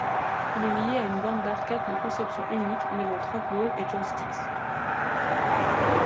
Il est lié à une borne d'arcade de conception unique mêlant trackball et joysticks.